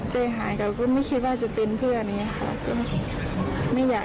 เจ้าหาแต่ก็ไม่คิดว่าจะเป็นเพื่อนเนี้ยค่ะไม่อยาก